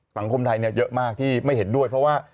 สังคมไทยเยอะมากที่ไม่เห็นด้วยเพราะว่า